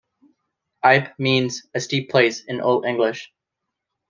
Eype means 'a steep place' in Old English.